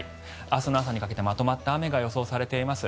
明日の朝にかけてまとまった雨が予想されています。